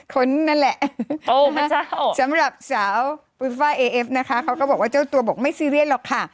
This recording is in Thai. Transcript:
คนนั่นแหละสำหรับสาวปุริฟ่าเอเอฟนะคะเขาก็บอกว่าเจ้าตัวบอกไม่ซีเรียสหรอกค่ะ